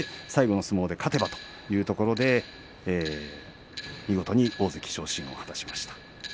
最後の相撲で勝てばというところで見事に大関昇進を果たしました。